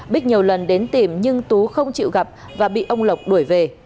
bích nhiều lần đến tìm nhưng tú không chịu gặp và bị ông lộc đuổi về